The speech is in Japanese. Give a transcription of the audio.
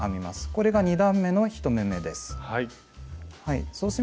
これが２段めの１目めです。